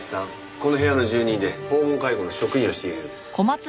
この部屋の住人で訪問介護の職員をしているようです。